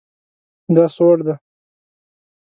دا سوړ ده